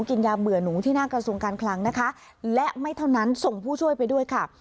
กินยาเบื่อหนูที่หน้ากระทรวงการคลังนะคะและไม่เท่านั้นส่งผู้ช่วยไปด้วยค่ะ